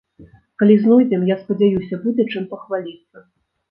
Калі знойдзем, я спадзяюся, будзе чым пахваліцца.